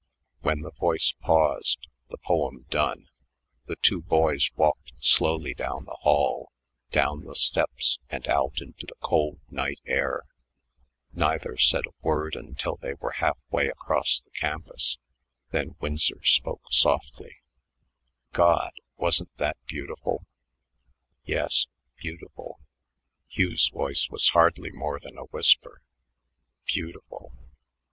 When the voice paused, the poem done, the two boys walked slowly down the hall, down the steps, and out into the cool night air. Neither said a Word until they were half way across the campus. Then Winsor spoke softly: "God! Wasn't that beautiful?" "Yes beautiful." Hugh's voice was hardly more than a whisper. "Beautiful....